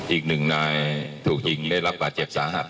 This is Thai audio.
อีกหนึ่งนายถูกยิงได้รับบาดเจ็บสาหัส